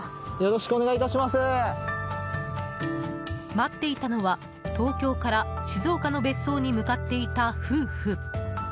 待っていたのは東京から静岡の別荘に向かっていた夫婦。